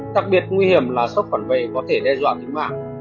đặc biệt nguy hiểm là sốc phản vệ có thể đe dọa đến mạng